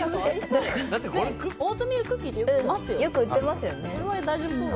オートミールクッキーってよく売ってますよ。